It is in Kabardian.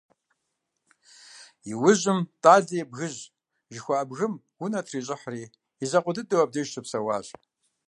Иужьым «Тӏалэ и бгыжь» жыхуаӏэ бгым унэ трищӏыхьри, и закъуэ дыдэу абдеж щыпсэуащ.